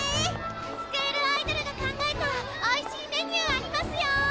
スクールアイドルが考えたおいしいメニューありますよ。